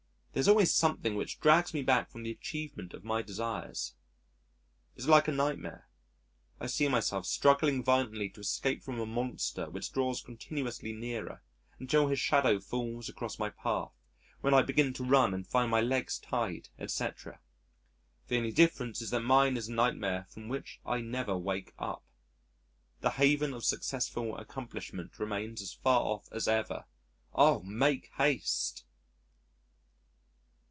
There is always something which drags me back from the achievement of my desires. It's like a nightmare; I see myself struggling violently to escape from a monster which draws continuously nearer, until his shadow falls across my path, when I begin to run and find my legs tied, etc. The only difference is that mine is a nightmare from which I never wake up. The haven of successful accomplishment remains as far off as ever. Oh! make haste.